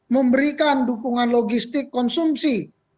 memberikan dukungan logistik konsumsi